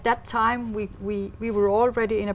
cũng sẽ được liên hệ